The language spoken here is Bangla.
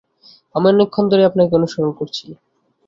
আমি অনেকক্ষণ ধরেই আপনাকে অনুসরণ করছি।